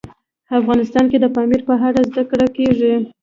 افغانستان کې د پامیر په اړه زده کړه کېږي.